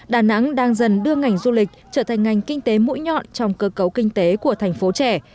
đà nẵng đang dần đưa ngành du lịch trở thành ngành kinh tế mũi nhọn trong cơ cấu kinh tế của thành phố trẻ